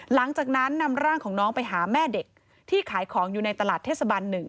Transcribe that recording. หลังจากนั้นนำร่างของน้องไปหาแม่เด็กที่ขายของอยู่ในตลาดเทศบัน๑